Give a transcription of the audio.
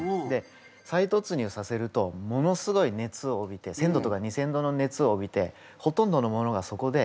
再突入させるとものすごい熱を帯びて１，０００度とか２，０００度の熱を帯びてほとんどのものがそこで焼けてなくなります。